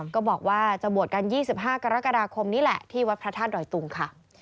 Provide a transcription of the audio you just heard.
ก็บอกว่าจะบวชกัน๒๕กรกฎาคมนี้แหละที่วัดพระธาตุดอยตุงค่ะ